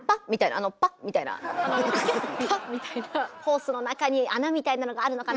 あのキュッパッみたいなホースの中に穴みたいなのがあるのかな？